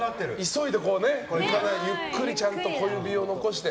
急いで、ゆっくりちゃんと小指を残して。